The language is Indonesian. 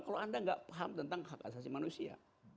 kalau anda nggak paham tentang hak asasi manusia